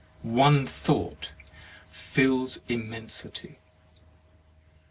One thought fills immensity.